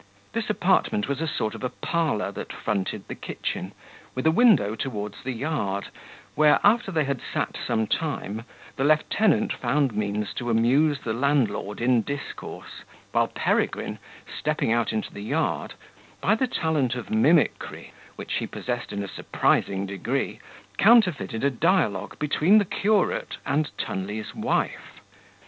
This apartment was a sort of a parlour that fronted the kitchen, with a window towards the yard, where after they had sat some time, the lieutenant found means to amuse the landlord in discourse, while Peregrine, stepping out into the yard, by the talent of mimickry, which he possessed in a surprising degree, counterfeited a dialogue between the curate and Tunley's wife.